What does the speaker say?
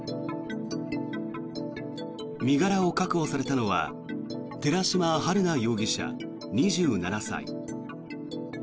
身柄を確保されたのは寺島春奈容疑者、２７歳。